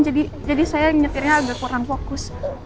jadi jadi saya nyetirnya agak kurang fokus